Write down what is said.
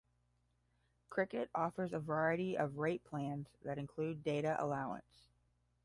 Cricket offers a variety of rate plans that include data allowance.